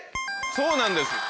そうなんです。